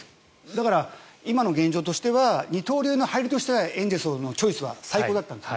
だから、今の現状としては二刀流の入りとしてはエンゼルスのチョイスは最高だったんです。